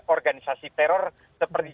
organisasi teror seperti